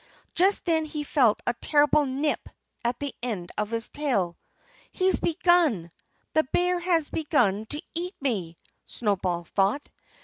Just then he felt a terrible nip at the end of his tail. "He's begun! The bear has begun to eat me!" Snowball thought.